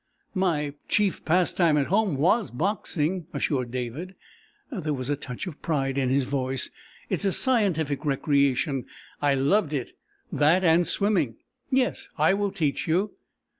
"My chief pastime at home was boxing," assured David. There was a touch of pride in his voice. "It is a scientific recreation. I loved it that, and swimming. Yes, I will teach you."